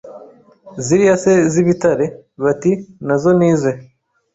Ziriya se z’ibitare? Bati “Nazo ni ize”